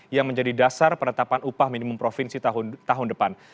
yang menjadi dasar penetapan upah minimum provinsi tahun depan